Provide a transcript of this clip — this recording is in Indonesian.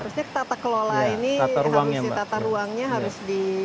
harusnya tata kelola ini harus di tata ruangnya harus di